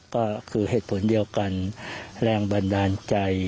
ก็คือเหตุผลเดียวกันแรงบันดาลใจ